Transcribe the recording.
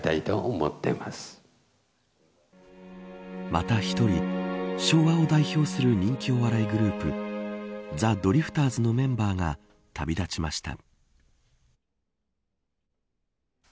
また１人昭和を代表する人気お笑いグループザ・ドリフターズのメンバーが旅立ちました。